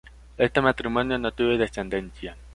Este matrimonio no tuvo descendencia.